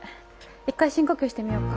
一回深呼吸してみようか。